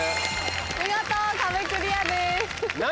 見事壁クリアです。